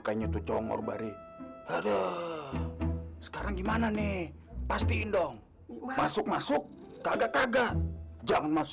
kayaknya tuh congol bari ada sekarang gimana nih pastiin dong masuk masuk kagak kagak jangan masih